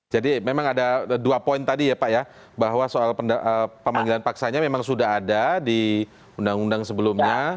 jadi memang ada dua poin tadi ya pak ya bahwa soal panggilan paksanya memang sudah ada di undang undang sebelumnya